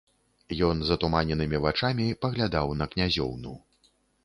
Ён затуманенымі вачамі паглядаў на князёўну.